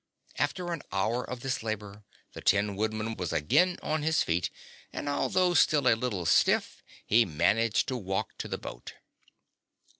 After an hour of this labor the Tin Woodman was again on his feet, and although still a little stiff he managed to walk to the boat.